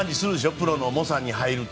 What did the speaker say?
プロの猛者に入ると。